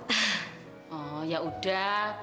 terima kasih mak